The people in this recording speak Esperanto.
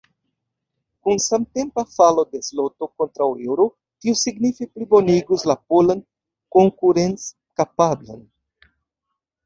Kun samtempa falo de zloto kontraŭ eŭro, tio signife plibonigus la polan konkurenckapablon.